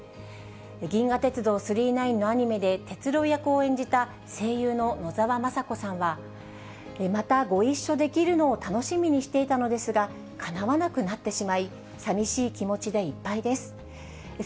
銀河鉄道９９９のアニメで鉄郎役を演じた声優の野沢雅子さんは、またご一緒できるのを楽しみにしていたのですが、かなわなくなってしまい、寂しい気持ちでいっぱいです。